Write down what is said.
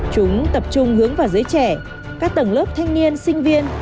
chúng tập trung hướng vào giới trẻ các tầng lớp thanh niên sinh viên